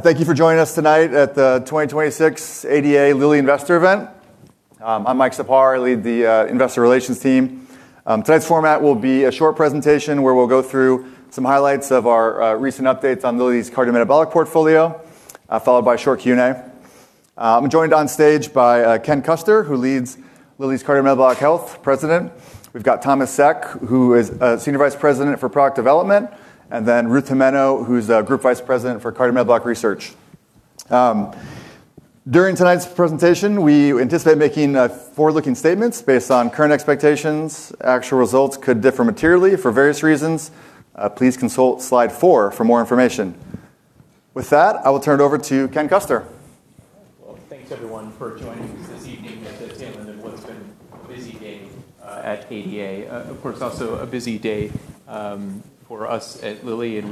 Thank you for joining us tonight at the 2026 ADA Lilly Investor Event. I'm Mike Czaphar. I lead the Investor Relations team. Tonight's format will be a short presentation where we'll go through some highlights of our recent updates on Lilly's cardiometabolic portfolio, followed by a short Q&A. I'm joined on stage by Ken Custer, who leads Lilly's Cardiometabolic Health President. We've got Thomas Seck, who is Senior Vice President for Product Development, and then Ruth Gimeno, who's the Group Vice President for Cardiometabolic Research. During tonight's presentation, we anticipate making forward-looking statements based on current expectations. Actual results could differ materially for various reasons. Please consult slide four for more information. With that, I will turn it over to Ken Custer. Thanks everyone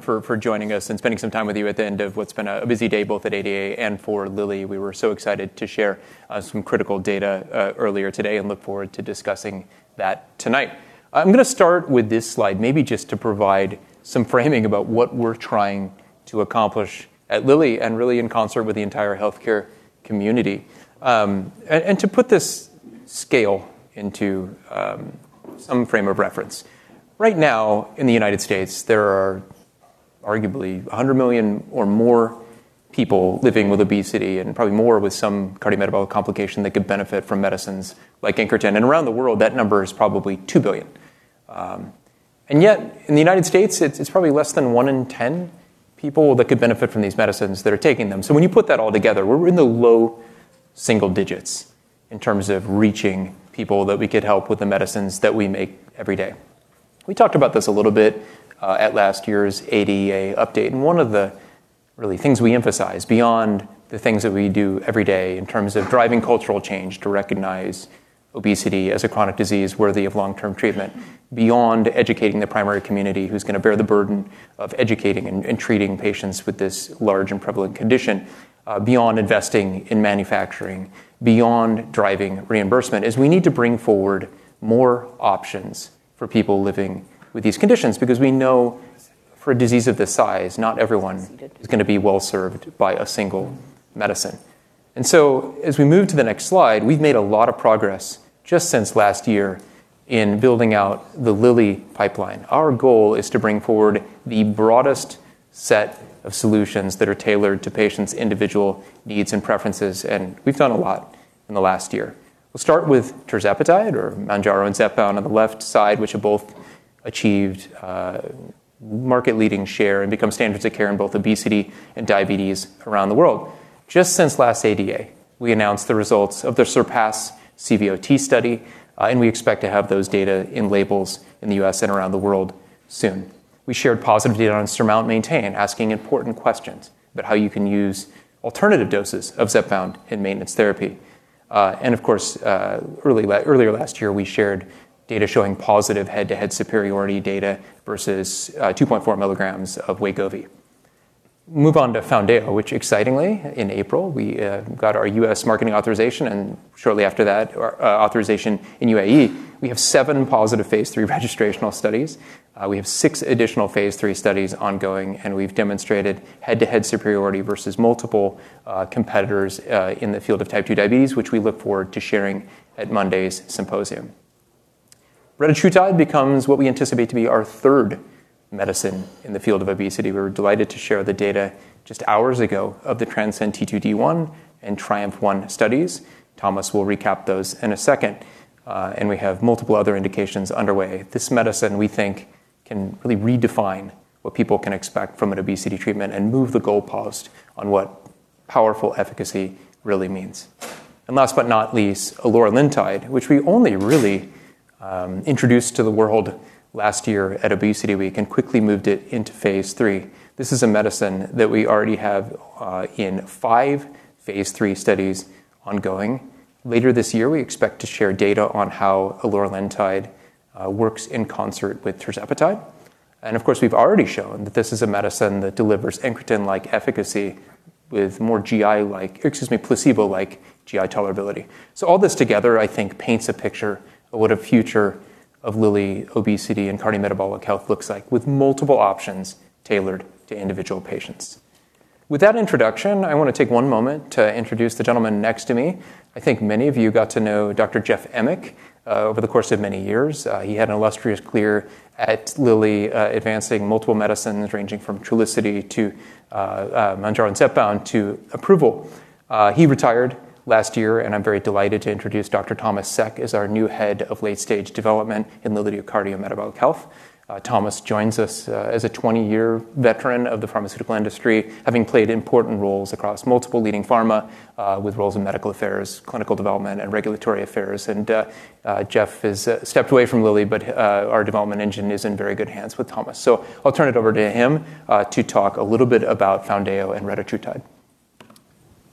for joining us and spending some time with you at the end of what's been a busy day both at ADA and for Lilly. We were so excited to share some critical data earlier today and look forward to discussing that tonight. I'm going to start with this slide, maybe just to provide some framing about what we're trying to accomplish at Lilly and really in concert with the entire healthcare community. To put this scale into some frame of reference. Right now in the U.S., there are arguably 100 million or more people living with obesity, and probably more with some cardiometabolic complication that could benefit from medicines like incretin. Around the world, that number is probably two billion. Yet in the U.S., it's probably less than one in 10 people that could benefit from these medicines that are taking them. When you put that all together, we're in the low single digits in terms of reaching people that we could help with the medicines that we make every day. We talked about this a little bit at last year's ADA update, and one of the really things we emphasize beyond the things that we do every day in terms of driving cultural change to recognize obesity as a chronic disease worthy of long-term treatment. Beyond educating the primary community who's going to bear the burden of educating and treating patients with this large and prevalent condition. Beyond investing in manufacturing. Beyond driving reimbursement, we need to bring forward more options for people living with these conditions because we know for a disease of this size, not everyone is going to be well-served by a single medicine. As we move to the next slide, we've made a lot of progress just since last year in building out the Lilly pipeline. Our goal is to bring forward the broadest set of solutions that are tailored to patients' individual needs and preferences. We've done a lot in the last year. We'll start with tirzepatide or Mounjaro and Zepbound on the left side, which have both achieved market-leading share and become standards of care in both obesity and diabetes around the world. Just since last ADA, we announced the results of their SURPASS-CVOT study. We expect to have those data in labels in the U.S. and around the world soon. We shared positive data on SURMOUNT-MAINTAIN, asking important questions about how you can use alternative doses of Zepbound in maintenance therapy. Of course, earlier last year, we shared data showing positive head-to-head superiority data versus 2.4 mg of Wegovy. Move on to Foundayo, which excitingly in April we got our U.S. marketing authorization, and shortly after that, our authorization in UAE. We have seven positive phase III registrational studies. We have six additional phase III studies ongoing. We've demonstrated head-to-head superiority versus multiple competitors in the field of type 2 diabetes, which we look forward to sharing at Monday's symposium. Retatrutide becomes what we anticipate to be our third medicine in the field of obesity. We were delighted to share the data just hours ago of the TRANSCEND-T2D-1 and TRIUMPH-1 studies. Thomas will recap those in a second. We have multiple other indications underway. This medicine, we think can really redefine what people can expect from an obesity treatment and move the goalpost on what powerful efficacy really means. Last but not least, eloralintide, which we only really introduced to the world last year at ObesityWeek and quickly moved it into phase III. This is a medicine that we already have in five phase III studies ongoing. Later this year, we expect to share data on how eloralintide works in concert with tirzepatide. Of course, we've already shown that this is a medicine that delivers incretin-like efficacy with more placebo-like GI tolerability. All this together, I think paints a picture of what a future of Lilly Cardiometabolic Health looks like, with multiple options tailored to individual patients. With that introduction, I want to take one moment to introduce the gentleman next to me. I think many of you got to know Dr. Jeff Emmick over the course of many years. He had an illustrious career at Lilly, advancing multiple medicines ranging from Trulicity to Mounjaro and Zepbound to approval. He retired last year, and I'm very delighted to introduce Dr. Thomas Seck as our new head of late-stage development in Lilly Cardiometabolic Health. Thomas joins us as a 20-year veteran of the pharmaceutical industry, having played important roles across multiple leading pharma with roles in medical affairs, clinical development, and regulatory affairs. Jeff has stepped away from Lilly, but our development engine is in very good hands with Thomas. I'll turn it over to him to talk a little bit about Foundayo and retatrutide.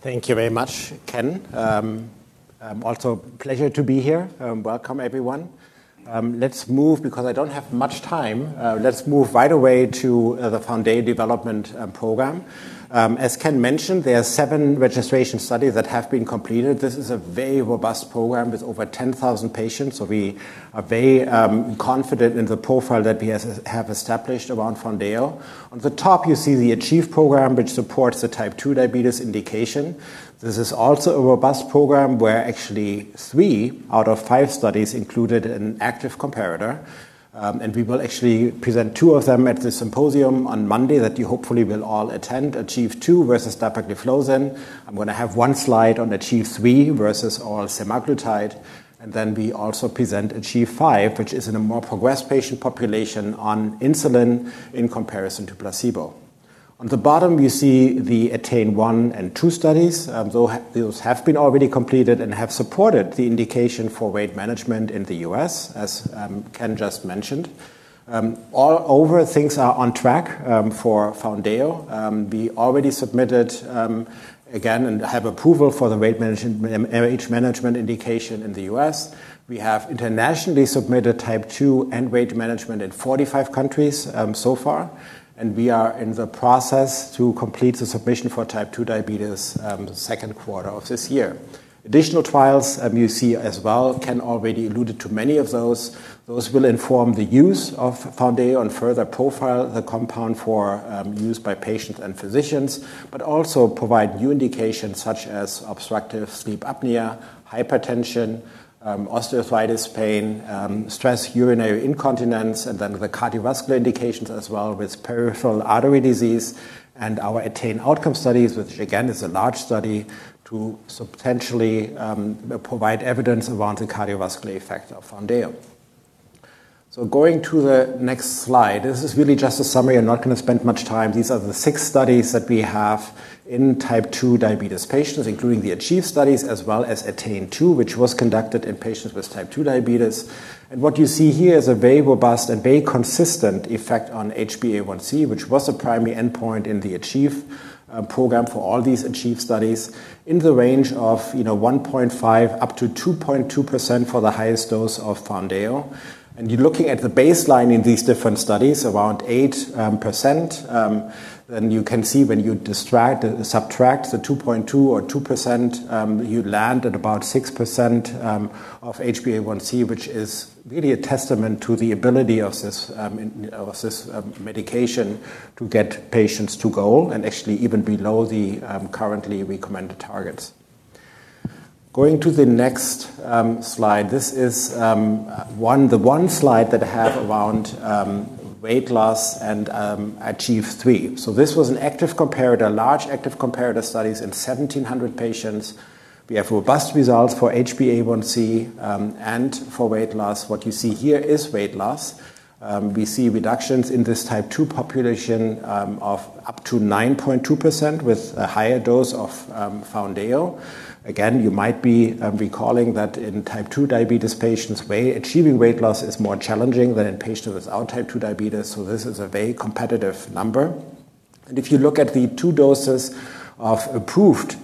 Thank you very much, Ken. Pleasure to be here. Welcome, everyone. Because I don't have much time, let's move right away to the Foundayo development program. As Ken mentioned, there are seven registration studies that have been completed. This is a very robust program with over 10,000 patients. We are very confident in the profile that we have established around Foundayo. On the top, you see the ACHIEVE program, which supports the type 2 diabetes indication. This is also a robust program where actually three out of five studies included an active comparator. We will actually present two of them at the symposium on Monday that you hopefully will all attend, ACHIEVE 2 versus dapagliflozin. I'm going to have one slide on ACHIEVE 3 versus oral semaglutide. We also present ACHIEVE 5, which is in a more progressed patient population on insulin in comparison to placebo. On the bottom, you see the ATTAIN-1 and 2 studies. Those have been already completed and have supported the indication for weight management in the U.S., as Ken just mentioned. All over, things are on track for Foundayo. We already submitted again and have approval for the weight management indication in the U.S. We have internationally submitted type 2 and weight management in 45 countries so far. We are in the process to complete the submission for type 2 diabetes the second quarter of this year. Additional trials you see as well, Ken already alluded to many of those. Those will inform the use of Foundayo and further profile the compound for use by patients and physicians, but also provide new indications such as obstructive sleep apnea, hypertension, osteoarthritis pain, stress urinary incontinence, and then the cardiovascular indications as well with peripheral artery disease and our ATTAIN outcome studies, which again is a large study to potentially provide evidence around the cardiovascular effect of Foundayo. Going to the next slide, this is really just a summary. I'm not going to spend much time. These are the six studies that we have in type 2 diabetes patients, including the ACHIEVE studies as well as ATTAIN-2, which was conducted in patients with type 2 diabetes. What you see here is a very robust and very consistent effect on HbA1c, which was the primary endpoint in the ACHIEVE program for all these ACHIEVE studies in the range of 1.5 up to 2.2% for the highest dose of Foundayo. You're looking at the baseline in these different studies, around 8%. You can see when you subtract the 2.2 or 2%, you land at about 6% of HbA1c, which is really a testament to the ability of this medication to get patients to goal and actually even below the currently recommended targets. Going to the next slide. This is the one slide that I have around weight loss and ACHIEVE 3. This was a large active comparative studies in 1,700 patients. We have robust results for HbA1c and for weight loss. What you see here is weight loss. We see reductions in this type 2 population of up to 9.2% with a higher dose of Foundayo. Again, you might be recalling that in type 2 diabetes patients, achieving weight loss is more challenging than in patients without type 2 diabetes, this is a very competitive number. If you look at the two approved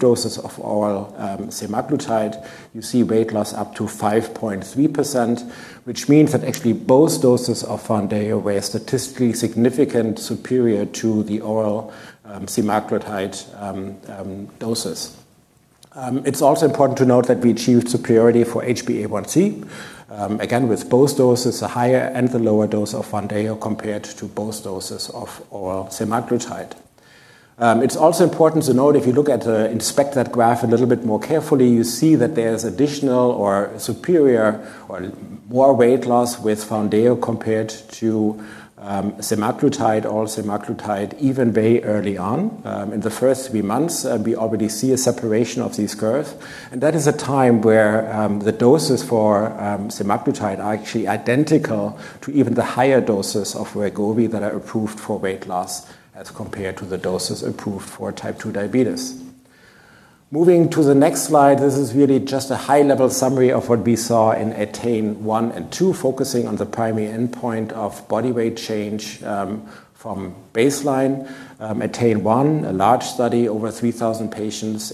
doses of oral semaglutide, you see weight loss up to 5.3%, which means that actually both doses of Foundayo were statistically significant superior to the oral semaglutide doses. It's also important to note that we achieved superiority for HbA1c, again, with both doses, the higher and the lower dose of Foundayo compared to both doses of oral semaglutide. It's also important to note, if you inspect that graph a little bit more carefully, you see that there's additional or superior or more weight loss with Foundayo compared to semaglutide even very early on. In the first three months, we already see a separation of these curves, that is a time where the doses for semaglutide are actually identical to even the higher doses of Wegovy that are approved for weight loss as compared to the doses approved for type 2 diabetes. Moving to the next slide, this is really just a high-level summary of what we saw in ATTAIN 1 and 2, focusing on the primary endpoint of body weight change from baseline. ATTAIN 1, a large study, over 3,000 patients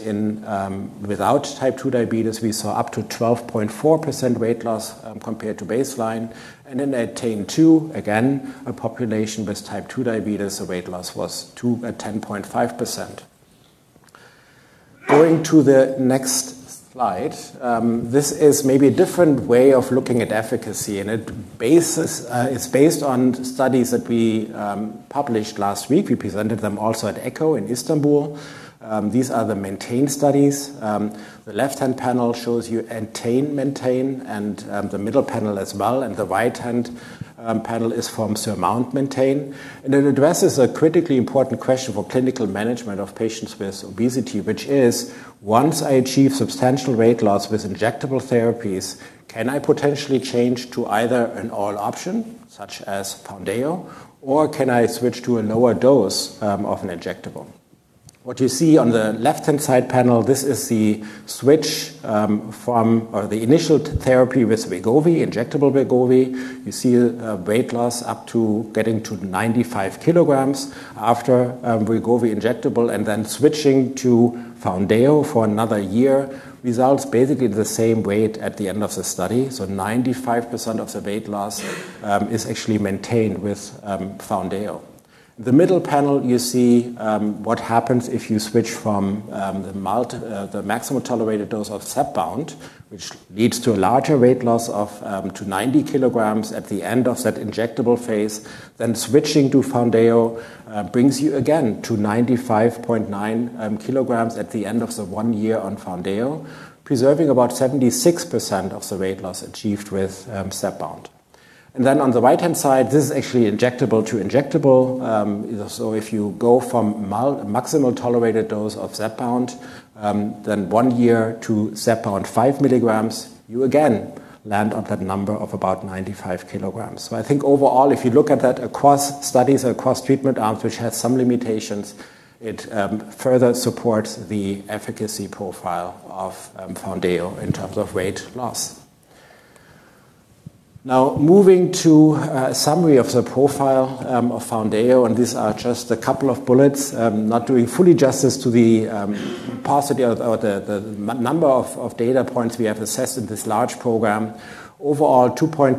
without type 2 diabetes, we saw up to 12.4% weight loss compared to baseline. In ATTAIN-2, again, a population with type 2 diabetes, the weight loss was 10.5%. Going to the next slide. This is maybe a different way of looking at efficacy, and it's based on studies that we published last week. We presented them also at ECO in Istanbul. These are the MAINTAIN studies. The left-hand panel shows you ATTAIN-MAINTAIN and the middle panel as well, and the right-hand panel is from SURMOUNT-MAINTAIN. It addresses a critically important question for clinical management of patients with obesity, which is, once I achieve substantial weight loss with injectable therapies, can I potentially change to either an oral option, such as Foundayo, or can I switch to a lower dose of an injectable? What you see on the left-hand side panel, this is the initial therapy with injectable Wegovy. You see a weight loss up to getting to 95 kilograms after Wegovy injectable, and then switching to Foundayo for another one year results basically the same weight at the end of the study. 95% of the weight loss is actually maintained with Foundayo. The middle panel, you see what happens if you switch from the maximum tolerated dose of Zepbound, which leads to a larger weight loss of to 90 kilograms at the end of that injectable phase. Switching to Foundayo brings you again to 95.9 kilograms at the end of the one year on Foundayo, preserving about 76% of the weight loss achieved with Zepbound. On the right-hand side, this is actually injectable to injectable. If you go from maximal tolerated dose of Zepbound, then one year to Zepbound 5 mg, you again land on that number of about 95 kilograms. I think overall, if you look at that across studies, across treatment arms, which has some limitations, it further supports the efficacy profile of Foundayo in terms of weight loss. Moving to a summary of the profile of Foundayo, and these are just a couple of bullets, not doing fully justice to the paucity or the number of data points we have assessed in this large program. Overall, 2.2%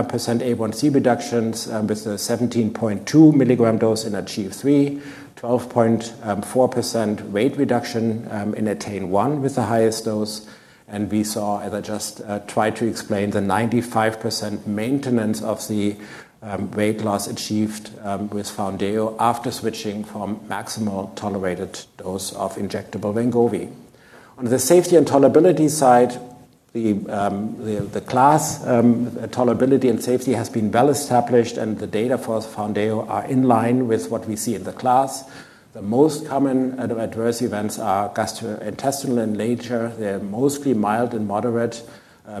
HbA1c reductions with the 17.2 milligram dose in ACHIEVE-3, 12.4% weight reduction in ATTAIN-1 with the highest dose. We saw, as I just tried to explain, the 95% maintenance of the weight loss achieved with Foundayo after switching from maximal tolerated dose of injectable Wegovy. On the safety and tolerability side, the class tolerability and safety has been well established, and the data for Foundayo are in line with what we see in the class. The most common adverse events are gastrointestinal in nature. They're mostly mild and moderate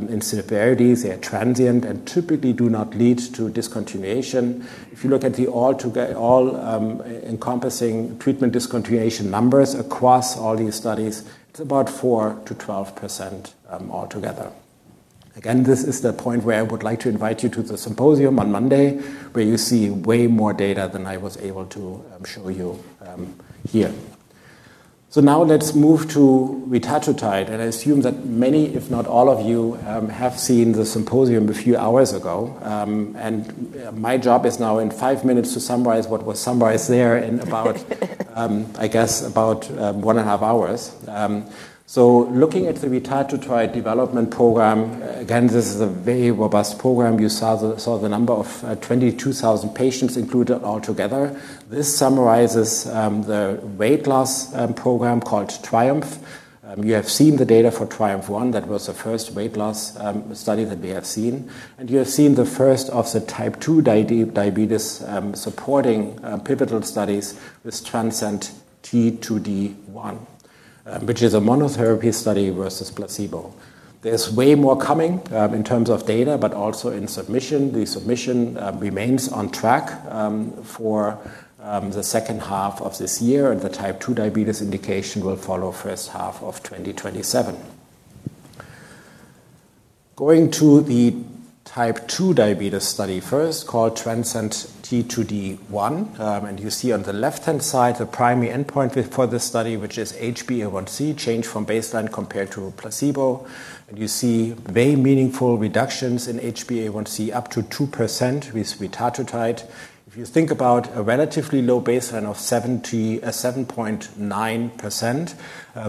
in severity. They are transient and typically do not lead to discontinuation. If you look at the all-encompassing treatment discontinuation numbers across all these studies, it's about 4%-12% altogether. Again, this is the point where I would like to invite you to the symposium on Monday, where you see way more data than I was able to show you here. Now let's move to retatrutide, and I assume that many, if not all of you, have seen the symposium a few hours ago. My job is now in five minutes to summarize what was summarized there in I guess about one and a half hours. Looking at the retatrutide development program, again, this is a very robust program. You saw the number of 22,000 patients included altogether. This summarizes the weight loss program called TRIUMPH. You have seen the data for TRIUMPH-1. That was the first weight loss study that we have seen, and you have seen the first of the type 2 diabetes supporting pivotal studies with TRANSCEND-T2D-1, which is a monotherapy study versus placebo. There's way more coming in terms of data, also in submission. The submission remains on track for the second half of this year, the type 2 diabetes indication will follow first half of 2027. Going to the type 2 diabetes study first called TRANSCEND-T2D-1, you see on the left-hand side the primary endpoint for this study, which is HbA1c change from baseline compared to a placebo. You see very meaningful reductions in HbA1c, up to 2% with retatrutide. If you think about a relatively low baseline of 7.9%,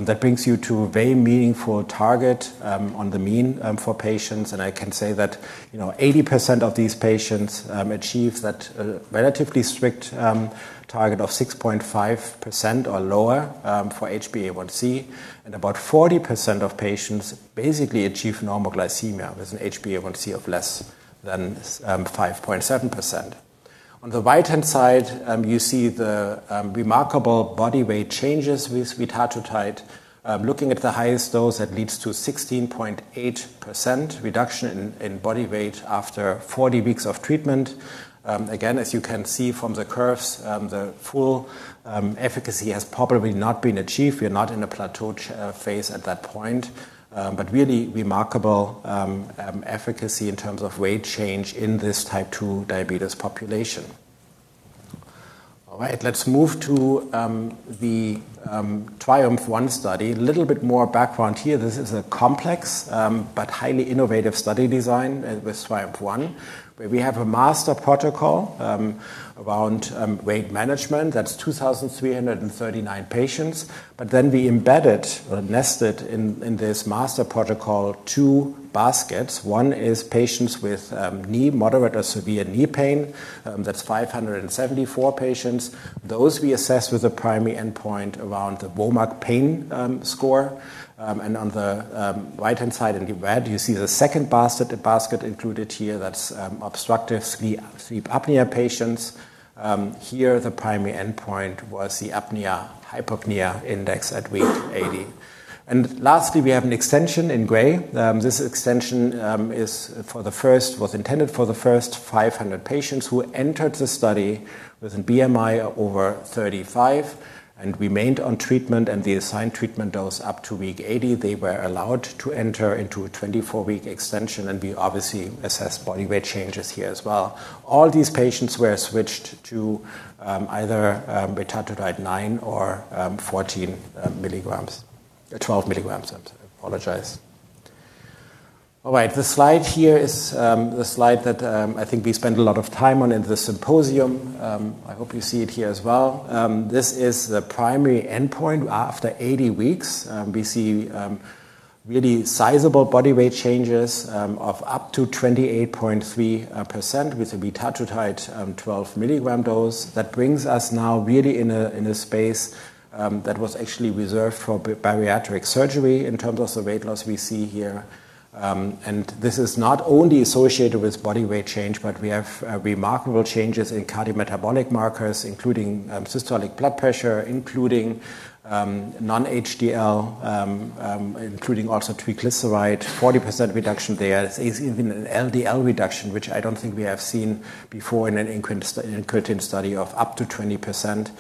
that brings you to a very meaningful target on the mean for patients. I can say that 80% of these patients achieve that relatively strict target of 6.5% or lower for HbA1c, and about 40% of patients basically achieve normoglycemia with an HbA1c of less than 5.7%. On the right-hand side, you see the remarkable body weight changes with retatrutide. Looking at the highest dose, that leads to 16.8% reduction in body weight after 40 weeks of treatment. Again, as you can see from the curves, the full efficacy has probably not been achieved. We're not in a plateau phase at that point. Really remarkable efficacy in terms of weight change in this type 2 diabetes population. All right. Let's move to the TRIUMPH-1 study. A little bit more background here. This is a complex, but highly innovative study design with TRIUMPH-1, where we have a master protocol around weight management. That's 2,339 patients. We embedded or nested in this master protocol two baskets. One is patients with moderate or severe knee pain. That's 574 patients. Those we assessed with the primary endpoint around the WOMAC pain score. On the right-hand side in red, you see the second basket included here. That's obstructive sleep apnea patients. Here, the primary endpoint was the apnea-hypopnea index at week 80. Lastly, we have an extension in gray. This extension was intended for the first 500 patients who entered the study with a BMI over 35 and remained on treatment and the assigned treatment dose up to week 80. They were allowed to enter into a 24-week extension, and we obviously assessed body weight changes here as well. All these patients were switched to either retatrutide nine or 14 mg. 12 mg, I apologize. All right. The slide here is the slide that I think we spent a lot of time on in the symposium. I hope you see it here as well. This is the primary endpoint after 80 weeks. We see really sizable body weight changes of up to 28.3% with the retatrutide 12 milligram dose. That brings us now really in a space that was actually reserved for bariatric surgery in terms of the weight loss we see here. This is not only associated with body weight change, but we have remarkable changes in cardiometabolic markers, including systolic blood pressure, including non-HDL, including also triglyceride, 40% reduction there. There's even an LDL reduction, which I don't think we have seen before in an incretin study of up to 20%.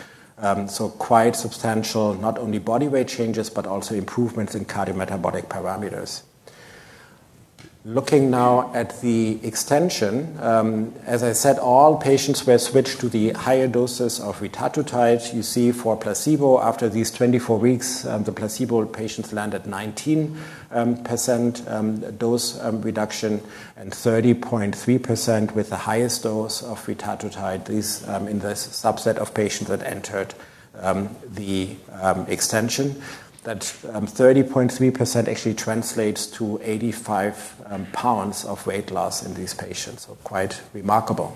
Quite substantial, not only body weight changes, but also improvements in cardiometabolic parameters. Looking now at the extension. As I said, all patients were switched to the higher doses of retatrutide. You see for placebo, after these 24 weeks, the placebo patients land at 19% dose reduction and 30.3% with the highest dose of retatrutide, this in the subset of patients that entered the extension. That 30.3% actually translates to 85 pounds of weight loss in these patients. Quite remarkable.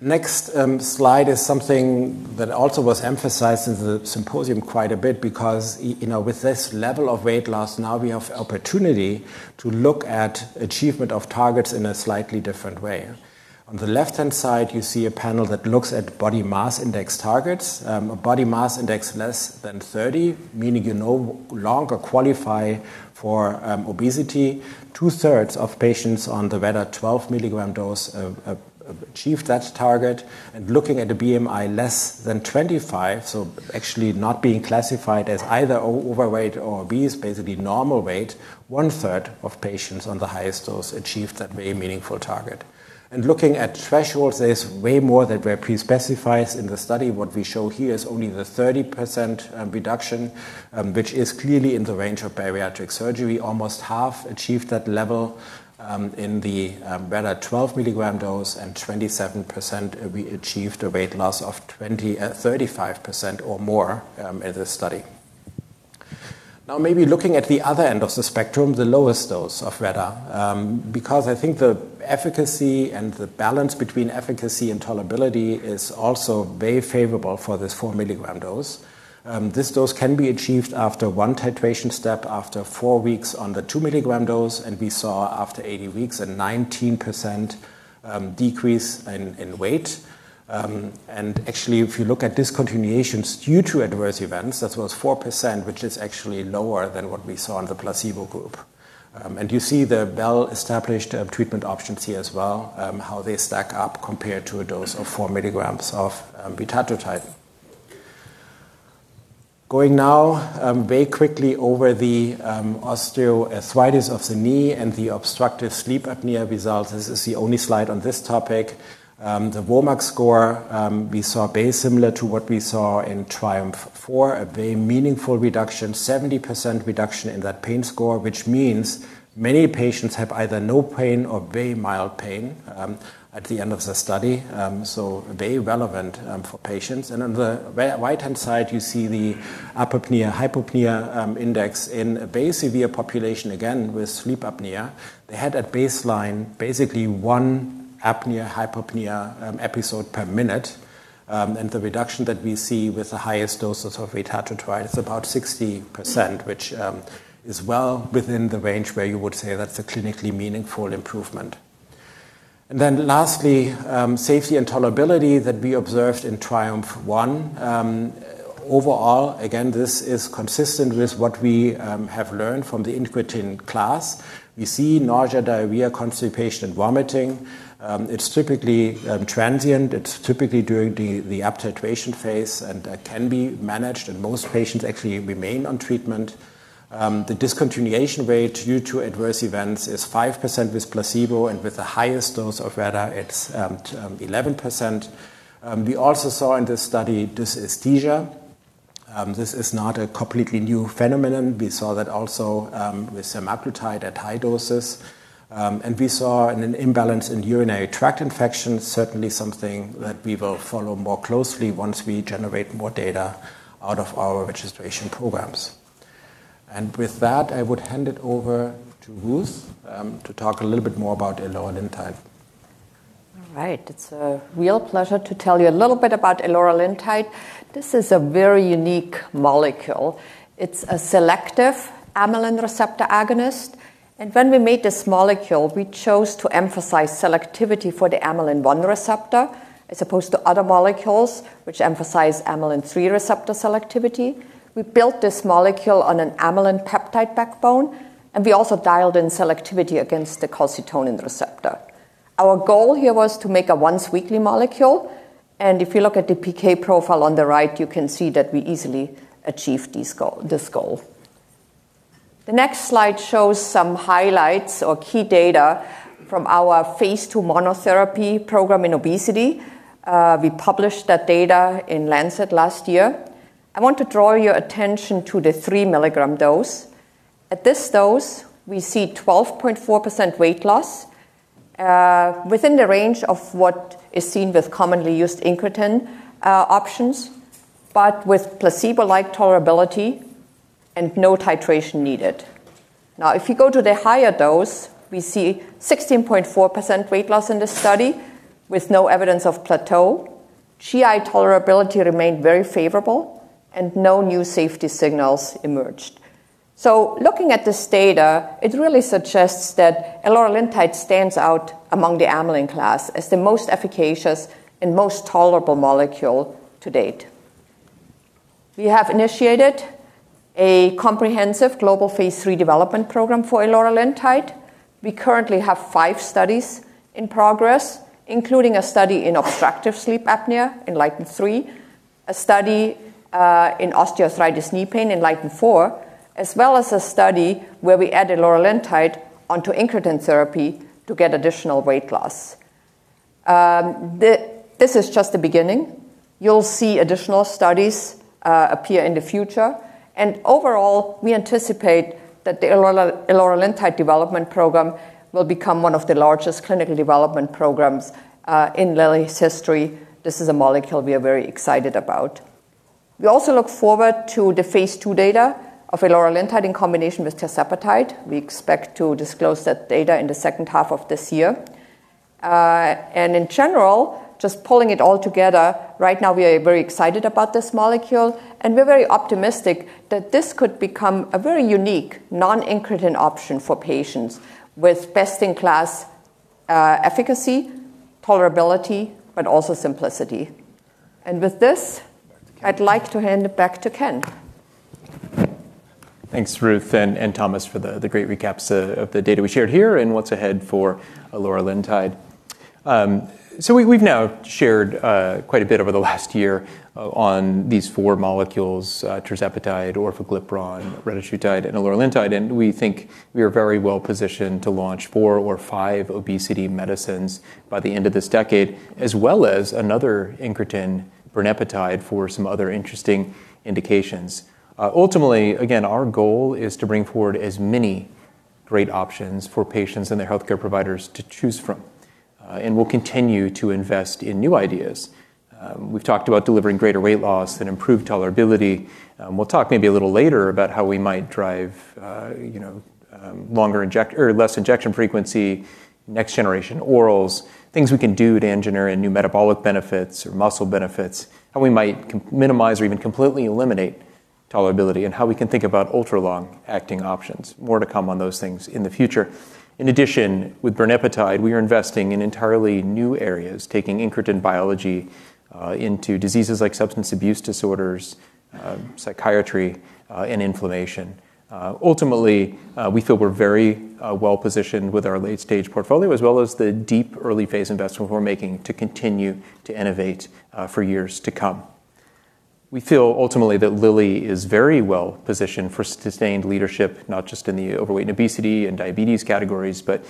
Next slide is something that also was emphasized in the symposium quite a bit because with this level of weight loss, now we have opportunity to look at achievement of targets in a slightly different way. On the left-hand side, you see a panel that looks at body mass index targets. A body mass index less than 30, meaning you no longer qualify for obesity. Two-thirds of patients on the retatrutide 12 mg dose have achieved that target. Looking at the BMI less than 25, so actually not being classified as either overweight or obese, basically normal weight, one-third of patients on the highest dose achieved that very meaningful target. Looking at thresholds, there's way more that were pre-specified in the study. What we show here is only the 30% reduction, which is clearly in the range of bariatric surgery. Almost half achieved that level in the retatrutide 12 mg dose. 27% achieved a weight loss of 35% or more in the study. Maybe looking at the other end of the spectrum, the lowest dose of retatrutide, because I think the efficacy and the balance between efficacy and tolerability is also very favorable for this four mg dose. This dose can be achieved after one titration step after four weeks on the two mg dose. We saw after 80 weeks a 19% decrease in weight. Actually, if you look at discontinuations due to adverse events, that was 4%, which is actually lower than what we saw in the placebo group. You see the well-established treatment options here as well, how they stack up compared to a dose of four mg of retatrutide. Going now very quickly over the osteoarthritis of the knee and the obstructive sleep apnea results. This is the only slide on this topic. The WOMAC score, we saw very similar to what we saw in TRIUMPH-4, a very meaningful reduction, 70% reduction in that pain score, which means many patients have either no pain or very mild pain at the end of the study. Very relevant for patients. On the right-hand side, you see the apnea-hypopnea index in a very severe population, again, with sleep apnea. They had at baseline, basically one apnea-hypopnea episode per minute. The reduction that we see with the highest doses of retatrutide is about 60%, which is well within the range where you would say that's a clinically meaningful improvement. Lastly, safety and tolerability that we observed in TRIUMPH-1. Overall, again, this is consistent with what we have learned from the incretin class. We see nausea, diarrhea, constipation, and vomiting. It's typically transient. It's typically during the uptitration phase and can be managed, and most patients actually remain on treatment. The discontinuation rate due to adverse events is 5% with placebo, and with the highest dose of retar, it's 11%. We also saw in this study dysesthesia. This is not a completely new phenomenon. We saw that also with semaglutide at high doses. We saw an imbalance in urinary tract infection, certainly something that we will follow more closely once we generate more data out of our registration programs. With that, I would hand it over to Ruth to talk a little bit more about eloralintide. All right. It's a real pleasure to tell you a little bit about eloralintide. This is a very unique molecule. It's a selective amylin receptor agonist. When we made this molecule, we chose to emphasize selectivity for the amylin 1 receptor, as opposed to other molecules which emphasize AMY3 receptor selectivity. We built this molecule on an amylin peptide backbone, and we also dialed in selectivity against the calcitonin receptor. Our goal here was to make a once-weekly molecule, and if you look at the PK profile on the right, you can see that we easily achieved this goal. The next slide shows some highlights or key data from our phase II monotherapy program in obesity. We published that data in The Lancet last year. I want to draw your attention to the three milligram dose. At this dose, we see 12.4% weight loss within the range of what is seen with commonly used incretin options, but with placebo-like tolerability and no titration needed. If you go to the higher dose, we see 16.4% weight loss in the study with no evidence of plateau. GI tolerability remained very favorable and no new safety signals emerged. Looking at this data, it really suggests that eloralintide stands out among the amylin class as the most efficacious and most tolerable molecule to date. We have initiated a comprehensive global phase III development program for eloralintide. We currently have five studies in progress, including a study in obstructive sleep apnea, ENLIGHTEN-3, a study in osteoarthritis knee pain, ENLIGHTEN-4, as well as a study where we add eloralintide onto incretin therapy to get additional weight loss. This is just the beginning. You'll see additional studies appear in the future, and overall, we anticipate that the eloralintide development program will become one of the largest clinical development programs in Lilly's history. This is a molecule we are very excited about. We also look forward to the phase II data of eloralintide in combination with tirzepatide. We expect to disclose that data in the second half of this year. In general, just pulling it all together, right now we are very excited about this molecule, and we're very optimistic that this could become a very unique non-incretin option for patients with best-in-class efficacy, tolerability, but also simplicity. With this, I'd like to hand it back to Ken. Thanks, Ruth and Thomas, for the great recaps of the data we shared here and what's ahead for eloralintide. We've now shared quite a bit over the last year on these four molecules, tirzepatide, orforglipron, retatrutide, and eloralintide, and we think we are very well positioned to launch four or five obesity medicines by the end of this decade, as well as another incretin, brenipatide, for some other interesting indications. Ultimately, again, our goal is to bring forward as many great options for patients and their healthcare providers to choose from. We'll continue to invest in new ideas. We've talked about delivering greater weight loss and improved tolerability. We'll talk maybe a little later about how we might drive less injection frequency, next generation orals, things we can do to engineer in new metabolic benefits or muscle benefits, how we might minimize or even completely eliminate tolerability, and how we can think about ultra-long acting options. More to come on those things in the future. In addition, with brenipatide, we are investing in entirely new areas, taking incretin biology into diseases like substance abuse disorders, psychiatry, and inflammation. Ultimately, we feel we're very well positioned with our late-stage portfolio as well as the deep early-phase investment we're making to continue to innovate for years to come. We feel ultimately that Lilly is very well positioned for sustained leadership, not just in the overweight and obesity and diabetes categories, but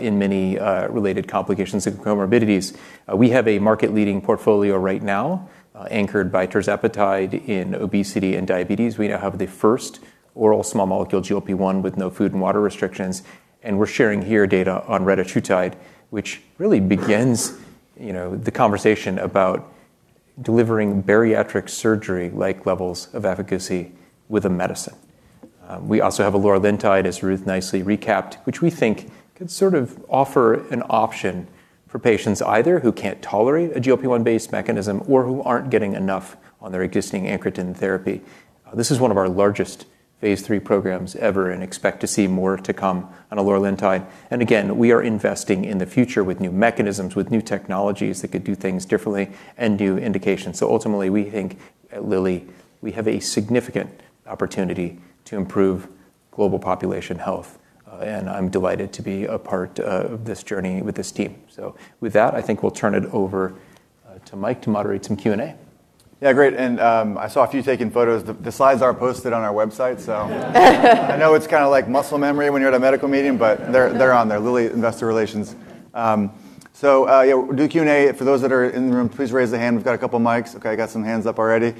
in many related complications and comorbidities. We have a market-leading portfolio right now anchored by tirzepatide in obesity and diabetes. We now have the first oral small molecule GLP-1 with no food and water restrictions. We're sharing here data on retatrutide, which really begins the conversation about delivering bariatric surgery-like levels of efficacy with a medicine. We also have eloralintide, as Ruth nicely recapped, which we think could sort of offer an option for patients either who can't tolerate a GLP-1 based mechanism or who aren't getting enough on their existing incretin therapy. This is one of our largest phase III programs ever, and expect to see more to come on eloralintide. Again, we are investing in the future with new mechanisms, with new technologies that could do things differently and new indications. Ultimately, we think at Lilly, we have a significant opportunity to improve global population health. I'm delighted to be a part of this journey with this team. With that, I think we'll turn it over to Mike to moderate some Q&A. Yeah, great. I saw a few taking photos. The slides are posted on our website, so I know it's kind of like muscle memory when you're at a medical meeting, but they're on there, Lilly Investor Relations. Yeah, we'll do Q&A. For those that are in the room, please raise a hand. We've got a couple mics. I got some hands up already.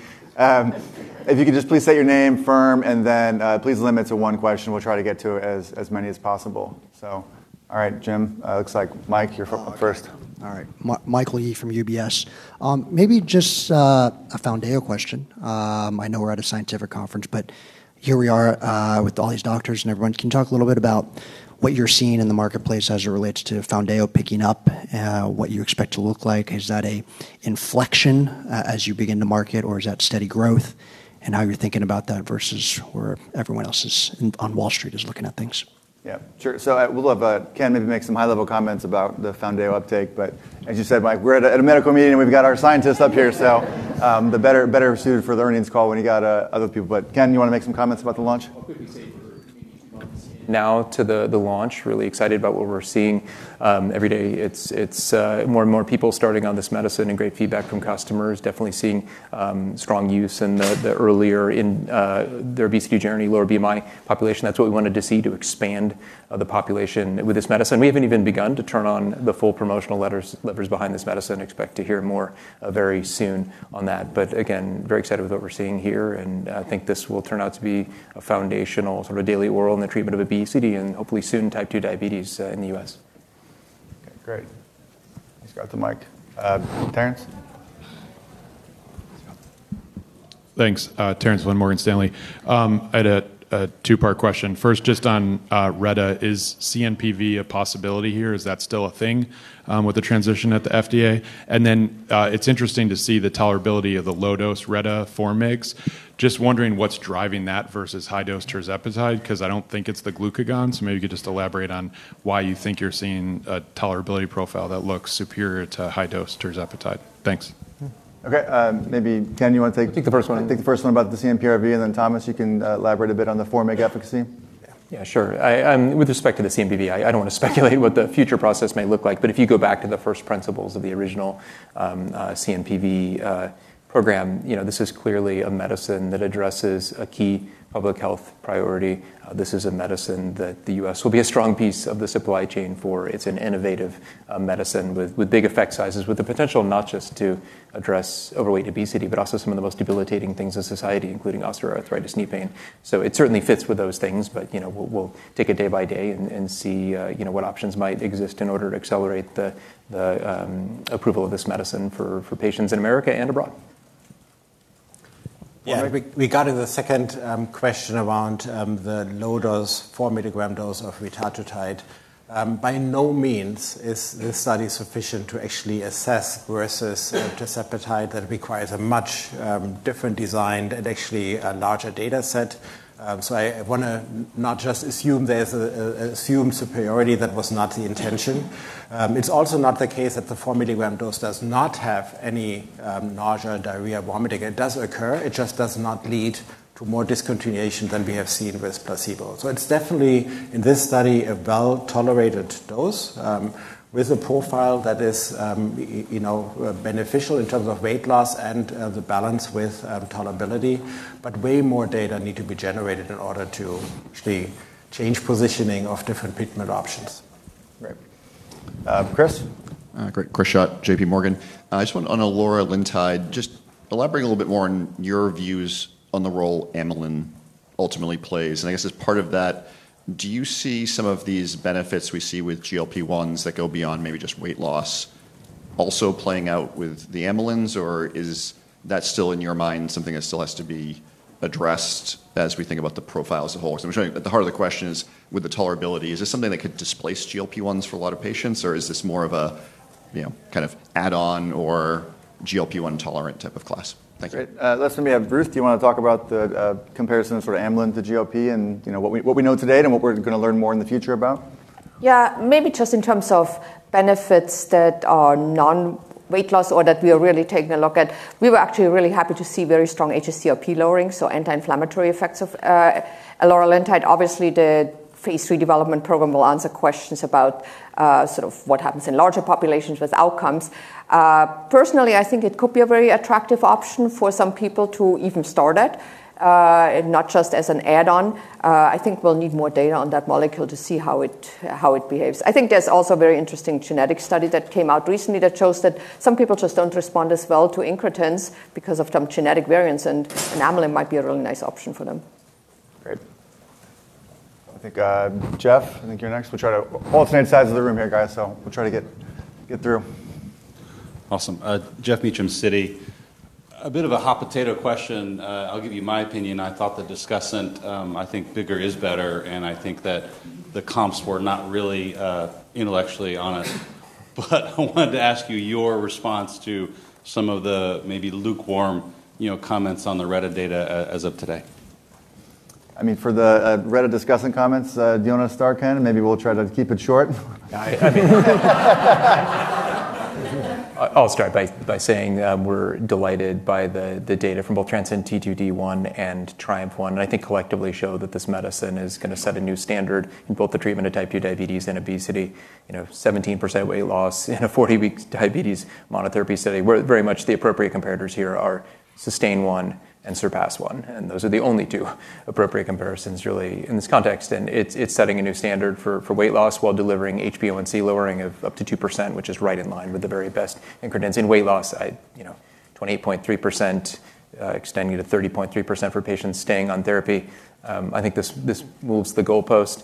If you could just please state your name, firm, and then please limit to one question. We'll try to get to as many as possible. All right, Jim. Looks like Mike, you're first. All right. Michael Yee from UBS. Maybe just a Foundayo question. I know we're at a scientific conference, here we are with all these doctors and everyone. Can you talk a little bit about what you're seeing in the marketplace as it relates to Foundayo picking up, what you expect to look like? Is that an inflection as you begin to market, or is that steady growth, and how you're thinking about that versus where everyone else on Wall Street is looking at things? Yeah, sure. We'll have Ken maybe make some high-level comments about the Foundayo uptake. As you said, Mike, we're at a medical meeting. We've got our scientists up here, better suited for the earnings call when you got other people. Ken, you want to make some comments about the launch? What could we say between now to the launch, really excited about what we're seeing every day. It's more and more people starting on this medicine and great feedback from customers. Definitely seeing strong use in the earlier in their obesity journey, lower BMI population. That's what we wanted to see to expand the population with this medicine. We haven't even begun to turn on the full promotional levers behind this medicine. Expect to hear more very soon on that. Again, very excited with what we're seeing here, and I think this will turn out to be a foundational sort of daily oral in the treatment of obesity and hopefully soon type 2 diabetes in the U.S. Okay, great. Let's go out to Mike. Terence Thanks. Terence Flynn, Morgan Stanley. I had a two-part question. First, just on retatrutide, is CNPV a possibility here? Is that still a thing with the transition at the FDA? It's interesting to see the tolerability of the low-dose retatrutide 4 mg. Just wondering what's driving that versus high-dose tirzepatide, because I don't think it's the glucagon. Maybe you could just elaborate on why you think you're seeing a tolerability profile that looks superior to high-dose tirzepatide. Thanks. Okay. Maybe Ken, you want to take. Take the first one. Take the first one about the CNPV, and then Thomas, you can elaborate a bit on the four mg efficacy. Yeah, sure. With respect to the CNPV, I don't want to speculate what the future process may look like. If you go back to the first principles of the original CNPV program, this is clearly a medicine that addresses a key public health priority. This is a medicine that the U.S. will be a strong piece of the supply chain for. It's an innovative medicine with big effect sizes, with the potential not just to address overweight obesity, but also some of the most debilitating things in society, including osteoarthritis knee pain. It certainly fits with those things. We'll take it day by day and see what options might exist in order to accelerate the approval of this medicine for patients in America and abroad. Yeah. Regarding the second question around the low dose 4 mg dose of retatrutide. By no means is this study sufficient to actually assess versus tirzepatide. That requires a much different design and actually a larger data set. I want to not just assume there's assumed superiority. That was not the intention. It's also not the case that the 4 mg dose does not have any nausea, diarrhea, vomiting. It does occur. It just does not lead to more discontinuation than we have seen with placebo. It's definitely, in this study, a well-tolerated dose with a profile that is beneficial in terms of weight loss and the balance with tolerability. Way more data need to be generated in order to actually change positioning of different treatment options. Right. Chris? Great. Chris Schott, J.P. Morgan. I just wonder on eloralintide, just elaborate a little bit more on your views on the role amylin ultimately plays. I guess as part of that, do you see some of these benefits we see with GLP-1s that go beyond maybe just weight loss also playing out with the amylins, or is that still in your mind something that still has to be addressed as we think about the profile as a whole? The heart of the question is with the tolerability, is this something that could displace GLP-1s for a lot of patients, or is this more of a kind of add-on or GLP-1 tolerant type of class? Thank you. Great. Listen, we have Ruth. Do you want to talk about the comparison of sort of amylin to GLP and what we know today and what we're going to learn more in the future about? Maybe just in terms of benefits that are non-weight loss or that we are really taking a look at. We were actually really happy to see very strong hsCRP lowering, so anti-inflammatory effects of eloralintide. Obviously, the phase III development program will answer questions about sort of what happens in larger populations with outcomes. Personally, I think it could be a very attractive option for some people to even start at, and not just as an add-on. I think we'll need more data on that molecule to see how it behaves. I think there's also a very interesting genetic study that came out recently that shows that some people just don't respond as well to incretins because of some genetic variants, and an amylin might be a really nice option for them. Great. I think, Geoff, I think you're next. We'll try to alternate sides of the room here, guys, so we'll try to get through. Awesome. Geoff Meacham, Citi. A bit of a hot potato question. I'll give you my opinion. I thought the discussant, I think bigger is better, and I think that the comps were not really intellectually honest. I wanted to ask you your response to some of the maybe lukewarm comments on the retatrutide data as of today. For the retatrutide discussant comments, do you want to start, Ken? Maybe we'll try to keep it short. I'll start by saying that we're delighted by the data from both TRANSCEND-T2D-1 and TRIUMPH-1. I think collectively show that this medicine is going to set a new standard in both the treatment of type 2 diabetes and obesity. 17% weight loss in a 40-week diabetes monotherapy study, where very much the appropriate comparators here are SUSTAIN 1 and SURPASS-1. Those are the only two appropriate comparisons really in this context. It's setting a new standard for weight loss while delivering HbA1c lowering of up to 2%, which is right in line with the very best increments in weight loss. 28.3%, extending to 30.3% for patients staying on therapy. I think this moves the goalpost.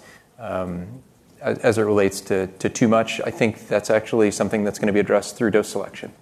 As it relates to too much, I think that's actually something that's going to be addressed through dose selection.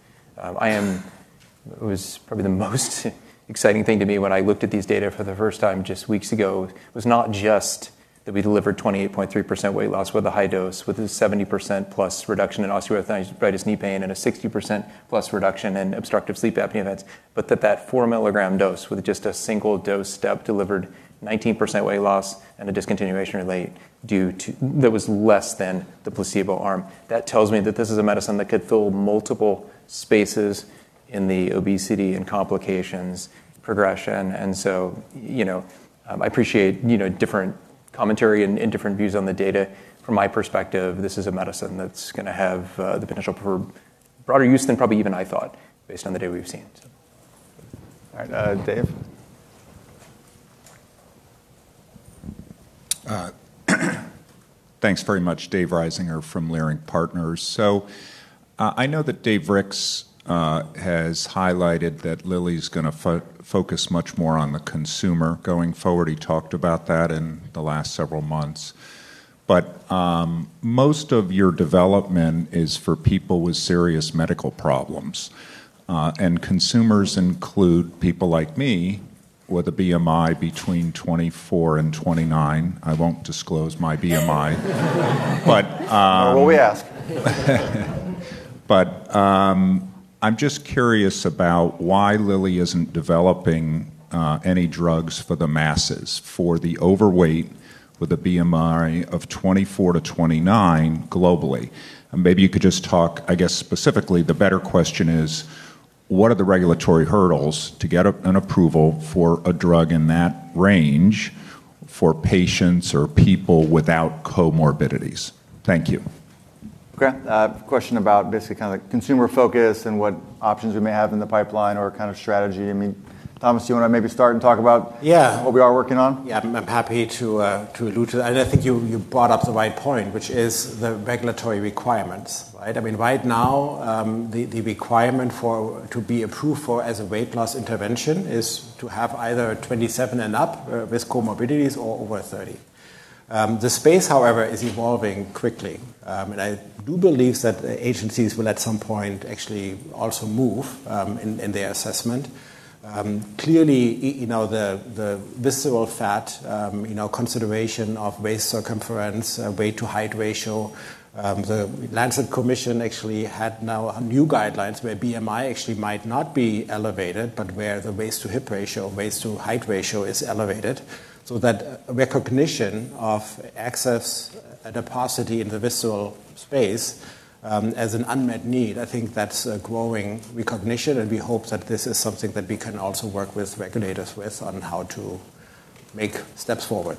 It was probably the most exciting thing to me when I looked at these data for the first time just weeks ago. It was not just that we delivered 28.3% weight loss with a high dose, with a 70% plus reduction in osteoarthritis knee pain, and a 60% plus reduction in obstructive sleep apnea events, but that that 4 mg dose with just a single dose step delivered 19% weight loss and a discontinuation rate that was less than the placebo arm. That tells me that this is a medicine that could fill multiple spaces in the obesity and complications progression. I appreciate different commentary and different views on the data. From my perspective, this is a medicine that's going to have the potential for broader use than probably even I thought based on the data we've seen. All right. Dave? Thanks very much, Dave Risinger from Leerink Partners. I know that Dave Ricks has highlighted that Lilly's going to focus much more on the consumer going forward. He talked about that in the last several months. Most of your development is for people with serious medical problems. Consumers include people like me with a BMI between 24 and 29. I won't disclose my BMI. Nor will we ask. I'm just curious about why Lilly isn't developing any drugs for the masses, for the overweight with a BMI of 24-29 globally. Maybe you could just talk, I guess specifically the better question is, what are the regulatory hurdles to get an approval for a drug in that range for patients or people without comorbidities? Thank you. Okay. Question about basically kind of consumer focus and what options we may have in the pipeline or kind of strategy. Thomas, do you want to maybe start and talk about. Yeah what we are working on? Yeah. I'm happy to allude to that. I think you brought up the right point, which is the regulatory requirements, right? Right now, the requirement to be approved for as a weight loss intervention is to have either a 27 and up with comorbidities or over 30. The space, however, is evolving quickly. I do believe that agencies will at some point actually also move in their assessment. Clearly, the visceral fat consideration of waist circumference, weight to height ratio. The Lancet Commission actually had now new guidelines where BMI actually might not be elevated, but where the waist to hip ratio, waist to height ratio is elevated, so that recognition of excess adiposity in the visceral space as an unmet need. I think that's a growing recognition, and we hope that this is something that we can also work with regulators with on how to make steps forward.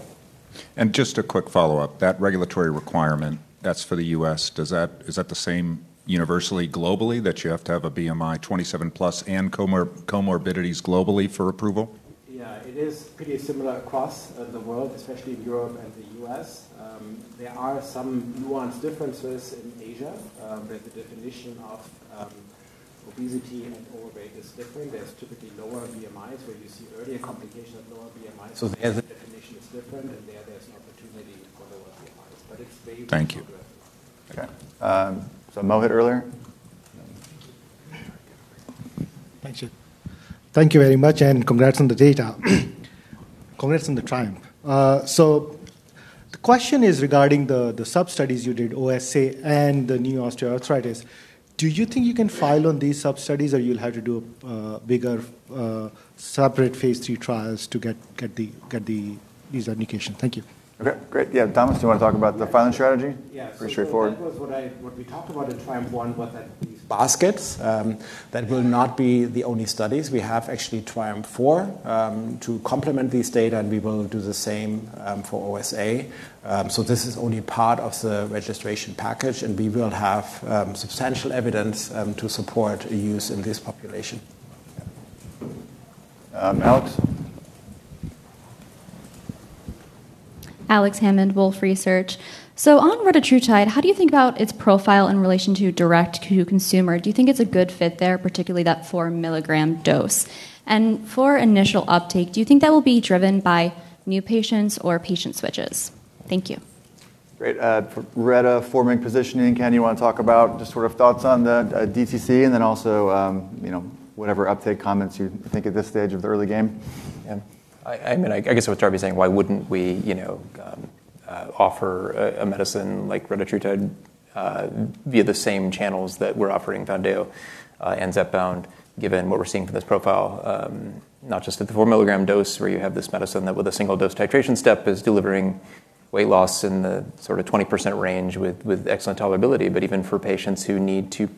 Just a quick follow-up. That regulatory requirement, that's for the U.S. Is that the same universally globally, that you have to have a BMI 27 plus and comorbidities globally for approval? Yeah. It is pretty similar across the world, especially in Europe and the U.S. There are some nuanced differences in Asia, where the definition of obesity and overweight is different. There's typically lower BMIs where you see earlier complication of lower BMIs. So there's a- The definition is different, there's an opportunity for lower BMIs. It's very progressive. Thank you. Okay. Mohit earlier? Thank you. Thank you very much, and congrats on the data. Congrats on the TRIUMPH. The question is regarding the substudies you did, OSA and the knee osteoarthritis. Do you think you can file on these substudies, or you'll have to do a bigger separate phase III trials to get these indications? Thank you. Okay, great. Yeah, Thomas, do you want to talk about the filing strategy? Yeah. Pretty straightforward. That was what we talked about in TRIUMPH-1 was that these baskets, that will not be the only studies. We have actually TRIUMPH-4 to complement these data, and we will do the same for OSA. This is only part of the registration package, and we will have substantial evidence to support use in this population. Alex? Alex Hammond, Wolfe Research. On retatrutide, how do you think about its profile in relation to direct to consumer? Do you think it is a good fit there, particularly that 4 milligram dose? For initial uptake, do you think that will be driven by new patients or patient switches? Thank you. Great. retatrutide forming positioning. Ken, you want to talk about just sort of thoughts on the DTC and then also whatever uptake comments you think at this stage of the early game? Yeah. I guess what Darby's saying, why wouldn't we offer a medicine like retatrutide via the same channels that we're offering Mounjaro and Zepbound, given what we're seeing from this profile. Not just at the 4 milligram dose where you have this medicine that with a single dose titration step is delivering weight loss in the sort of 20% range with excellent tolerability, but even for patients who need to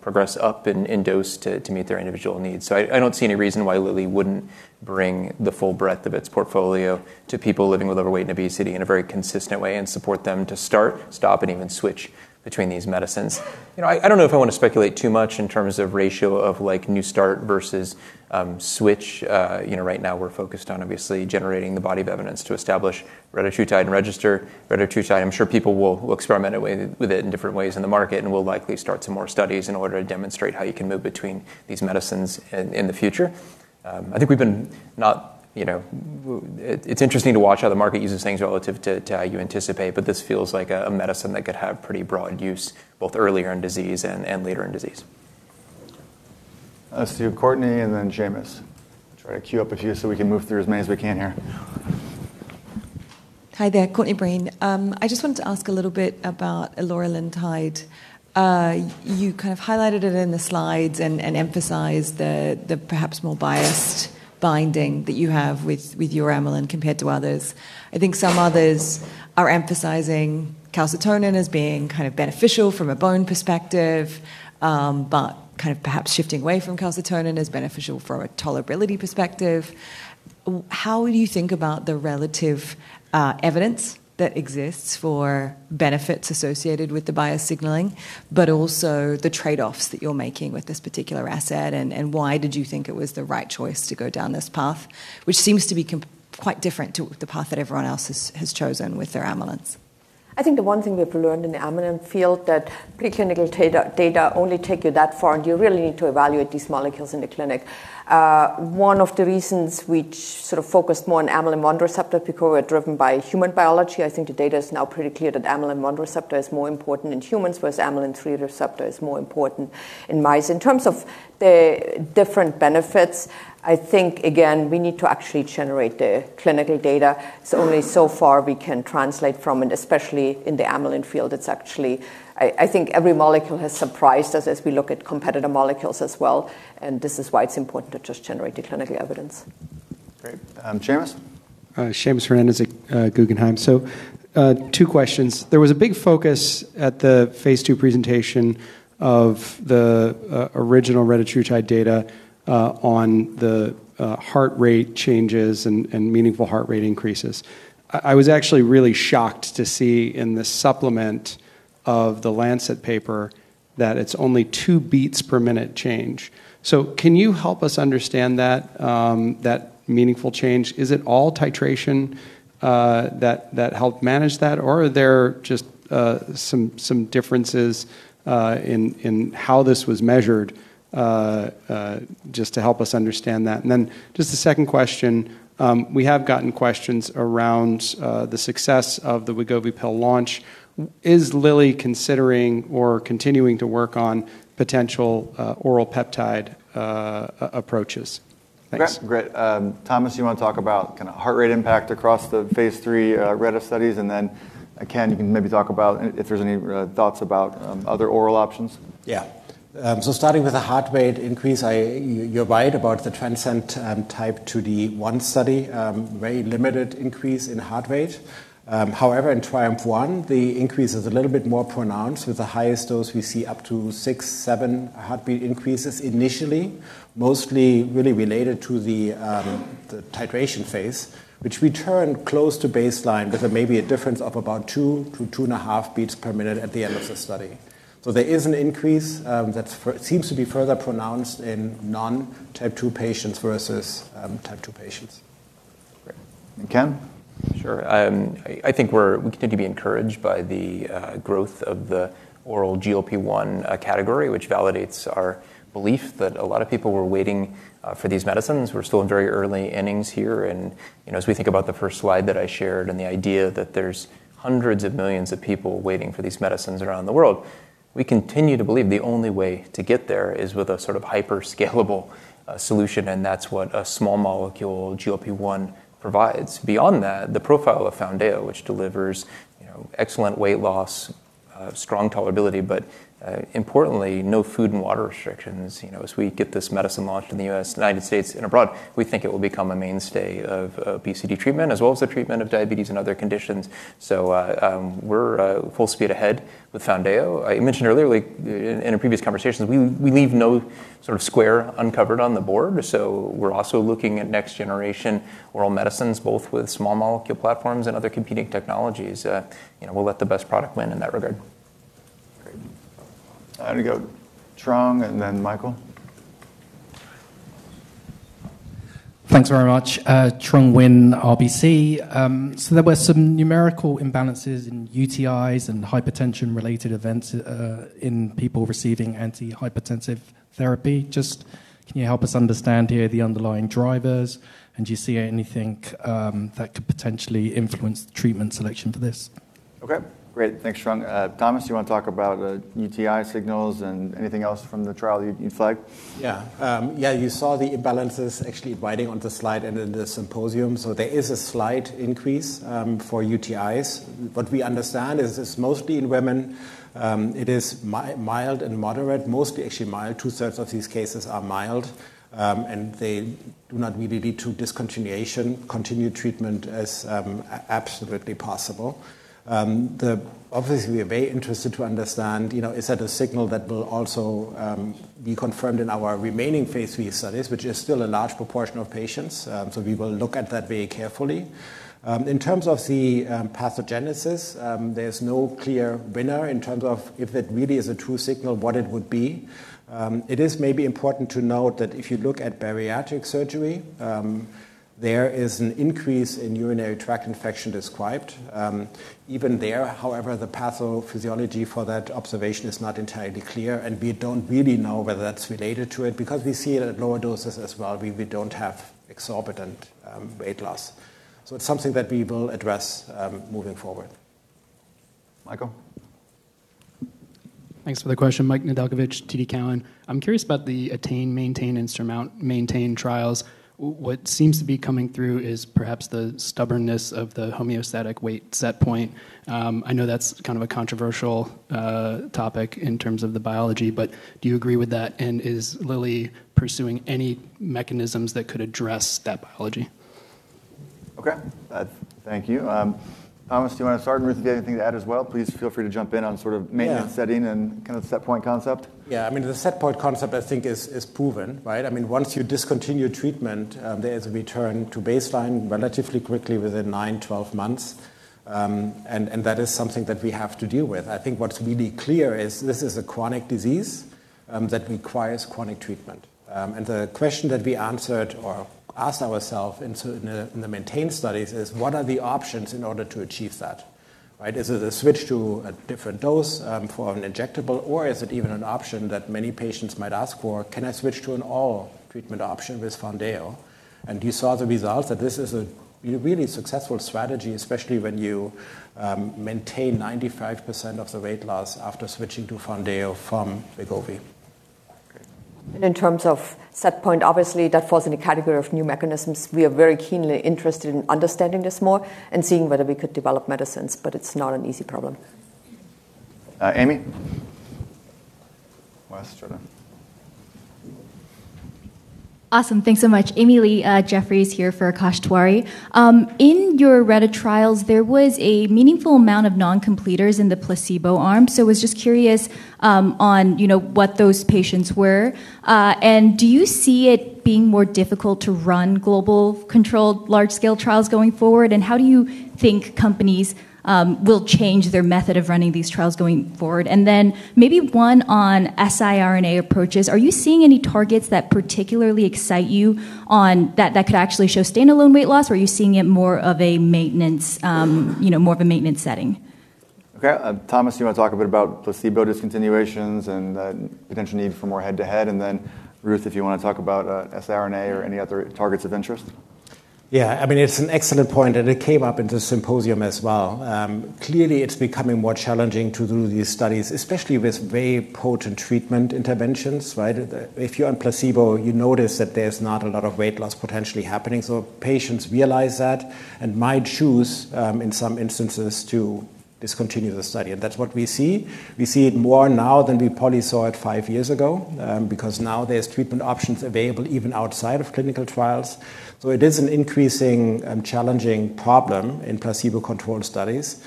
progress up in dose to meet their individual needs. I don't see any reason why Lilly wouldn't bring the full breadth of its portfolio to people living with overweight and obesity in a very consistent way and support them to start, stop, and even switch between these medicines. I don't know if I want to speculate too much in terms of ratio of new start versus switch. Right now we're focused on obviously generating the body of evidence to establish retatrutide and register retatrutide. I'm sure people will experiment with it in different ways in the market. We'll likely start some more studies in order to demonstrate how you can move between these medicines in the future. It's interesting to watch how the market uses things relative to how you anticipate. This feels like a medicine that could have pretty broad use both earlier in disease and later in disease. Let's do Courtney and then Seamus. Try to queue up a few so we can move through as many as we can here. Hi there, Courtney Breen. I just wanted to ask a little bit about eloralintide. You kind of highlighted it in the slides and emphasized the perhaps more biased binding that you have with your amylin compared to others. I think some others are emphasizing calcitonin as being kind of beneficial from a bone perspective, but kind of perhaps shifting away from calcitonin as beneficial from a tolerability perspective. How would you think about the relative evidence that exists for benefits associated with the bias signaling, but also the trade-offs that you're making with this particular asset, and why did you think it was the right choice to go down this path? Which seems to be quite different to the path that everyone else has chosen with their amylins. I think the one thing we have learned in the amylin field, that preclinical data only take you that far, and you really need to evaluate these molecules in the clinic. One of the reasons we focused more on amylin 1 receptor, because we're driven by human biology. I think the data is now pretty clear that amylin 1 receptor is more important in humans, whereas amylin 3 receptor is more important in mice. In terms of the different benefits, I think, again, we need to actually generate the clinical data. It's only so far we can translate from it, especially in the amylin field. I think every molecule has surprised us as we look at competitor molecules as well. This is why it's important to just generate the clinical evidence. Great. Seamus? Seamus Fernandez at Guggenheim. Two questions. There was a big focus at the phase II presentation of the original retatrutide data on the heart rate changes and meaningful heart rate increases. I was actually really shocked to see in the supplement of The Lancet paper that it's only two beats per minute change. Can you help us understand that meaningful change? Is it all titration that helped manage that, or are there just some differences in how this was measured? Just to help us understand that. Just a second question. We have gotten questions around the success of the Wegovy pill launch. Is Lilly considering or continuing to work on potential oral peptide approaches? Thanks. Great. Thomas, you want to talk about heart rate impact across the phase III reta studies? Ken, you can maybe talk about if there's any thoughts about other oral options. Yeah. Starting with the heart rate increase, you're right about the TRANSCEND-T2D-1 study. Very limited increase in heart rate. However, in TRIUMPH-1, the increase is a little bit more pronounced. With the highest dose, we see up to six, seven heartbeat increases initially, mostly really related to the titration phase, which return close to baseline, with maybe a difference of about two to two and a half beats per minute at the end of the study. There is an increase that seems to be further pronounced in non-type 2 patients versus type 2 patients. Great. Ken? Sure. I think we continue to be encouraged by the growth of the oral GLP-1 category, which validates our belief that a lot of people were waiting for these medicines. We're still in very early innings here, and as we think about the first slide that I shared and the idea that there's hundreds of millions of people waiting for these medicines around the world, we continue to believe the only way to get there is with a sort of hyper scalable solution, and that's what a small molecule GLP-1 provides. Beyond that, the profile of Foundayo, which delivers excellent weight loss, strong tolerability, but importantly, no food and water restrictions. As we get this medicine launched in the United States and abroad, we think it will become a mainstay of obesity treatment as well as the treatment of diabetes and other conditions. We're full speed ahead with Foundayo. You mentioned earlier in a previous conversation, we leave no square uncovered on the board, so we're also looking at next generation oral medicines, both with small molecule platforms and other competing technologies. We'll let the best product win in that regard. Great. I'm going to go Trung, and then Michael. Thanks very much. Trung Huynh, RBC. There were some numerical imbalances in UTIs and hypertension-related events in people receiving antihypertensive therapy. Just can you help us understand here the underlying drivers, and do you see anything that could potentially influence the treatment selection for this? Okay, great. Thanks, Trung. Thomas, you want to talk about UTI signals and anything else from the trial that you'd flag? Yeah. You saw the imbalances actually abiding on the slide and in the symposium. There is a slight increase for UTIs, but we understand it is mostly in women. It is mild and moderate, mostly actually mild. Two-thirds of these cases are mild, and they do not really lead to discontinuation. Continued treatment is absolutely possible. Obviously, we are very interested to understand, is that a signal that will also be confirmed in our remaining phase III studies, which is still a large proportion of patients? We will look at that very carefully. In terms of the pathogenesis, there's no clear winner in terms of if it really is a true signal, what it would be. It is maybe important to note that if you look at bariatric surgery, there is an increase in urinary tract infection described. Even there, however, the pathophysiology for that observation is not entirely clear, and we don't really know whether that's related to it because we see it at lower doses as well. We don't have exorbitant weight loss. It's something that we will address moving forward. Michael? Thanks for the question. Mike Nedelcovych, TD Cowen. I'm curious about the ATTAIN-MAINTAIN and SURMOUNT-MAINTAIN trials. What seems to be coming through is perhaps the stubbornness of the homeostatic weight set point. I know that's kind of a controversial topic in terms of the biology, but do you agree with that, and is Lilly pursuing any mechanisms that could address that biology? Okay. Thank you. Thomas, do you want to start? Ruth, you have anything to add as well? Please feel free to jump in on sort of maintenance setting and set point concept. Yeah. The set point concept I think is proven, right? Once you discontinue treatment, there is a return to baseline relatively quickly within nine, 12 months, and that is something that we have to deal with. I think what's really clear is this is a chronic disease. That requires chronic treatment. The question that we answered or asked ourselves in the MAINTAIN studies is what are the options in order to achieve that, right? Is it a switch to a different dose for an injectable, or is it even an option that many patients might ask for? Can I switch to an oral treatment option with Foundayo? You saw the results that this is a really successful strategy, especially when you maintain 95% of the weight loss after switching to Foundayo from Wegovy. In terms of set point, obviously, that falls in the category of new mechanisms. We are very keenly interested in understanding this more and seeing whether we could develop medicines, it's not an easy problem. Amy? West, rather. Awesome. Thanks so much. Amy Li, Jefferies here for Akash Tewari. In your retatrutide trials, there was a meaningful amount of non-completers in the placebo arm. I was just curious on what those patients were. Do you see it being more difficult to run global controlled large-scale trials going forward? How do you think companies will change their method of running these trials going forward? Maybe one on siRNA approaches. Are you seeing any targets that particularly excite you that could actually show standalone weight loss, or are you seeing it more of a maintenance setting? Okay. Thomas, do you want to talk a bit about placebo discontinuations and the potential need for more head-to-head? Ruth, if you want to talk about siRNA or any other targets of interest? Yeah. It's an excellent point, and it came up in the symposium as well. Clearly, it's becoming more challenging to do these studies, especially with very potent treatment interventions, right? If you're on placebo, you notice that there's not a lot of weight loss potentially happening. Patients realize that and might choose, in some instances, to discontinue the study. That's what we see. We see it more now than we probably saw it five years ago because now there's treatment options available even outside of clinical trials. It is an increasing challenging problem in placebo-controlled studies.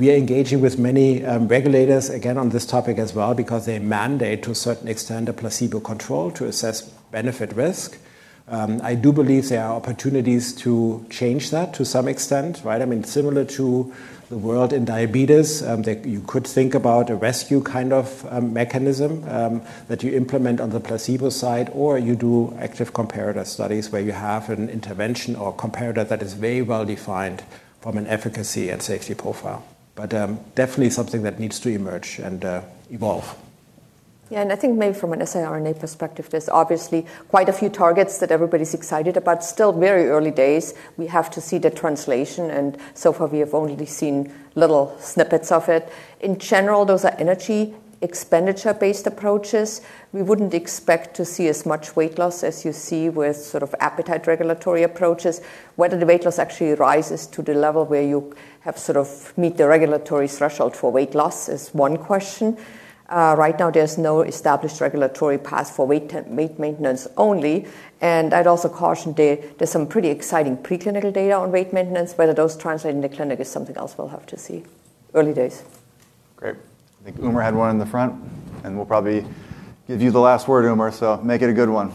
We are engaging with many regulators, again, on this topic as well because they mandate to a certain extent a placebo control to assess benefit risk. I do believe there are opportunities to change that to some extent, right? Similar to the world in diabetes, you could think about a rescue kind of mechanism that you implement on the placebo side, or you do active comparator studies where you have an intervention or comparator that is very well defined from an efficacy and safety profile. Definitely something that needs to emerge and evolve. I think maybe from an siRNA perspective, there's obviously quite a few targets that everybody's excited about. Still very early days. We have to see the translation, and so far, we have only seen little snippets of it. In general, those are energy expenditure-based approaches. We wouldn't expect to see as much weight loss as you see with sort of appetite regulatory approaches. Whether the weight loss actually rises to the level where you sort of meet the regulatory threshold for weight loss is one question. Right now, there's no established regulatory path for weight maintenance only. I'd also caution there's some pretty exciting pre-clinical data on weight maintenance. Whether those translate in the clinic is something else we'll have to see. Early days. Great. I think Umer had one in the front. We'll probably give you the last word, Umer, so make it a good one.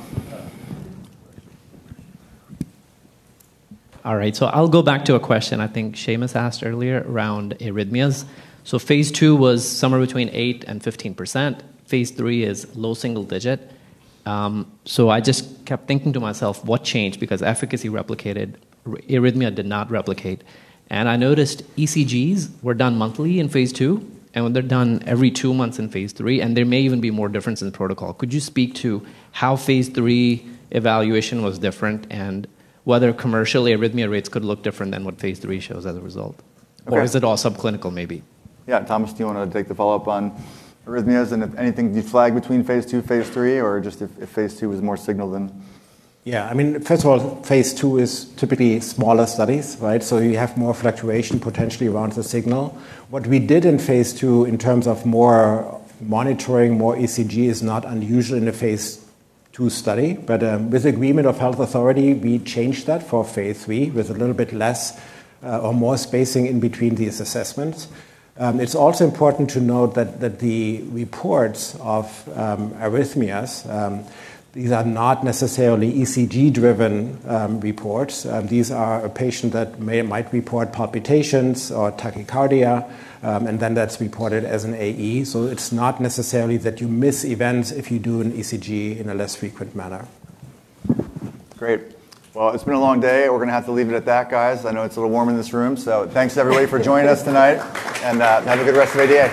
I'll go back to a question I think Seamus asked earlier around arrhythmias. Phase II was somewhere between 8% and 15%. Phase III is low single digit. I just kept thinking to myself, what changed? Because efficacy replicated, arrhythmia did not replicate. I noticed ECGs were done monthly in phase II, and they're done every two months in phase III, and there may even be more difference in the protocol. Could you speak to how phase III evaluation was different and whether commercial arrhythmia rates could look different than what phase III shows as a result? Okay. Is it all subclinical maybe? Yeah. Thomas, do you want to take the follow-up on arrhythmias and if anything you flag between phase II, phase III, or just if phase II was more signal than? First of all, phase II is typically smaller studies, right? You have more fluctuation potentially around the signal. What we did in phase II in terms of more monitoring, more ECG is not unusual in a phase II study. With agreement of health authority, we changed that for phase III with a little bit less or more spacing in between these assessments. It's also important to note that the reports of arrhythmias, these are not necessarily ECG-driven reports. These are a patient that might report palpitations or tachycardia, and then that's reported as an AE. It's not necessarily that you miss events if you do an ECG in a less frequent manner. Great. Well, it's been a long day. We're going to have to leave it at that, guys. I know it's a little warm in this room, so thanks everybody for joining us tonight. Have a good rest of ADA